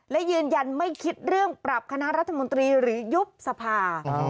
และยืนยันไม่คิดเรื่องปรับคณะรัฐมนตรีหรือยุบสภา